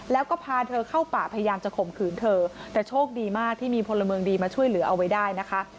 แล้วก็พาเธอเข้าป่าพยายามจะข่มขืนเธอแต่โชคดีมากที่มีพลเมืองดีมาช่วยเหลือเอาไว้ได้นะคะ